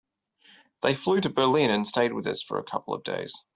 They flew to Berlin and stayed with us for a couple of days.